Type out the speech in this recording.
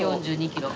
４２キロ。